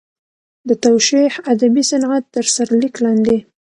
د توشیح ادبي صنعت تر سرلیک لاندې.